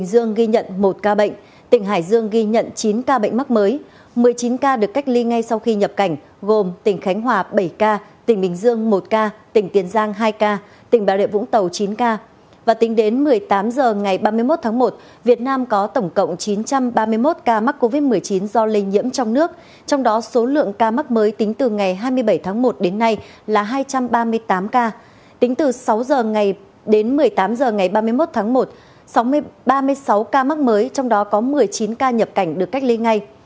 đến một mươi tám h ngày ba mươi một tháng một ba mươi sáu ca mắc mới trong đó có một mươi chín ca nhập cảnh được cách ly ngay